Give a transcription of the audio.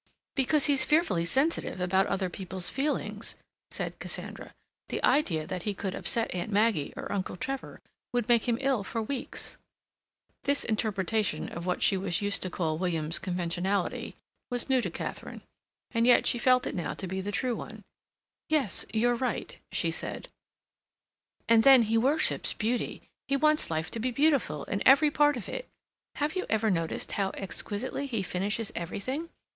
"Because he's fearfully sensitive about other people's feelings," said Cassandra. "The idea that he could upset Aunt Maggie or Uncle Trevor would make him ill for weeks." This interpretation of what she was used to call William's conventionality was new to Katharine. And yet she felt it now to be the true one. "Yes, you're right," she said. "And then he worships beauty. He wants life to be beautiful in every part of it. Have you ever noticed how exquisitely he finishes everything?